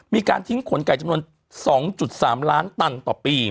มีการทิ้งขนไก่จำนวน๒๓ล้านตันต่อปี